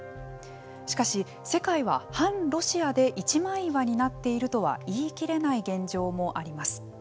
しかし、世界は反ロシアで一枚岩になっているとは言い切れない現状もあります。